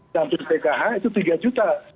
jantung di pkh itu rp tiga juta